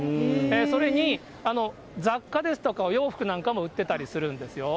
それに雑貨ですとか、お洋服なんかも売ってたりするんですよ。